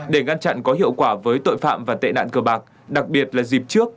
để ngăn chặn có hiệu quả với tội phạm và tệ nạn cơ bạc đặc biệt là dịp trước